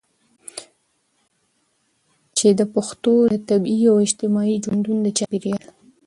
چې د پښتنو د طبیعي او اجتماعي ژوندون د چاپیریال